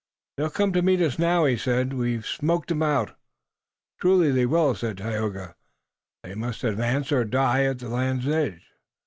"They'll come to meet us now," he said. "We've smoked 'em out." "Truly they will," said Tayoga. "They must advance or die at the land's edge."